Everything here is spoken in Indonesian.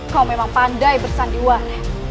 kau memang pandai bersandiwan